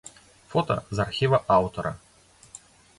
Фота з архіва аўтара.